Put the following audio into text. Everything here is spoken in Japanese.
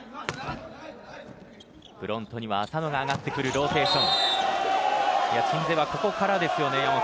フロントには麻野が上がってくるローテーション。